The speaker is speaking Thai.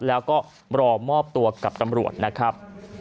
แล้วก็รอมอบตัวกับตำรวจนะครับ